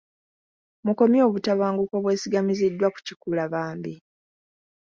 Mukomye obutabanguko obwesigamiziddwa ku kikula bambi.